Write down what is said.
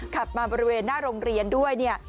ขับมาบริเวณหน้าโรงเรียนด้วยเนี่ย